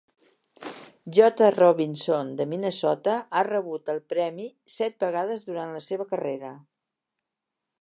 J Robinson de Minnesota ha rebut el premi set vegades durant la seva carrera.